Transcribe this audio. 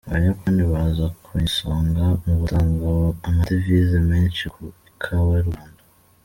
Abayapani baza ku isonga mu gutanga amadevize menshi ku ikawa y’u Rwanda.